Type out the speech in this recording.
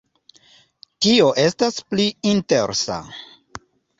Tio estas pli interesa.